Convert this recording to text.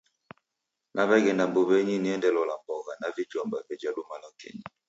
Naw'eghenda mbuw'enyi niende lola mbogha na vijomba veja luma lwa kenyi.